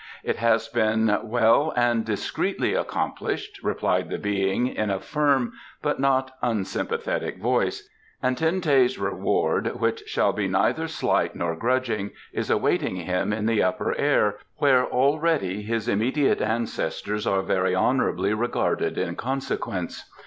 "It has been well and discreetly accomplished," replied the Being in a firm but not unsympathetic voice, "and Ten teh's reward, which shall be neither slight nor grudging, is awaiting him in the Upper Air, where already his immediate ancestors are very honourably regarded in consequence.